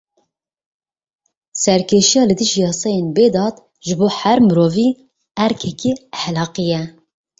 Serkêşiya li dijî yasayên bêdad, ji bo her mirovî erkekî exlaqî ye.